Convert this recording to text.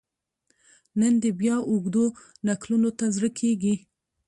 نن دي بیا اوږدو نکلونو ته زړه کیږي